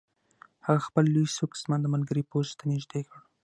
هغه خپل لوی سوک زما د ملګري پوزې ته نږدې کړ